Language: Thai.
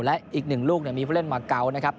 และอีกหนึ่งลูกมีผู้เล่นมาเกานะครับ